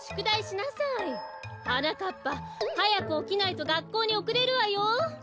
はなかっぱはやくおきないとがっこうにおくれるわよ。